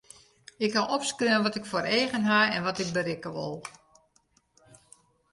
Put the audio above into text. Ik haw opskreaun wat ik foar eagen haw en wat ik berikke wol.